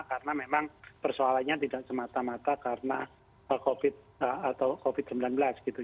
karena memang persoalannya tidak semata mata karena covid atau covid sembilan belas gitu